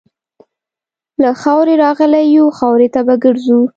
له خاورې راغلي یو، خاورې ته به ګرځو.